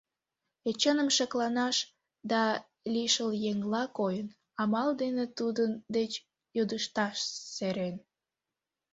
Эчаным шекланаш да, лишыл еҥла койын, амал дене тудын деч йодышташ сӧрен.